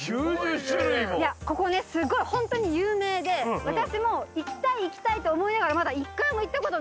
いやここねすごいホントに有名で私も行きたい行きたいと思いながら。